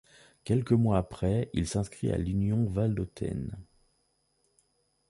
Quelques mois après, il s'inscrit à l'Union valdôtaine.